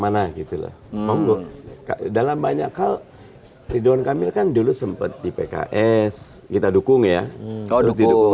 mana gitu loh dalam banyak hal ridwan kamil kan dulu sempat di pks kita dukung ya duduk tidur